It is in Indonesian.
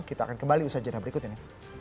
kita akan kembali usaha jadwal berikut ini